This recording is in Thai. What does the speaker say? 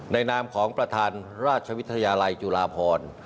นามของประธานราชวิทยาลัยจุฬาพร